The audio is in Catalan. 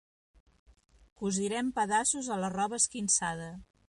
Cosirem pedaços a la roba esquinçada.